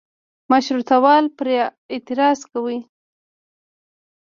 مشروطه وال پرې اعتراض کوي.